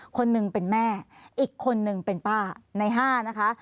คนหนึ่งเป็นแม่อีกคนนึงเป็นป้าในห้านะคะ